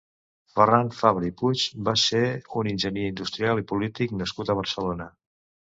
Ferran Fabra i Puig va ser un enginyer industrial i polític nascut a Barcelona.